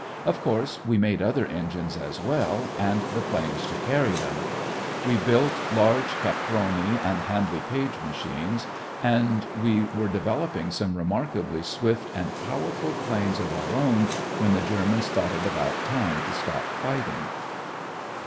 Of course we made other engines as well, and the planes to carry them. We built large Caproni and Handley Page machines, and we were developing some remarkably swift and powerful planes of our own when the Germans thought it about time to stop fighting.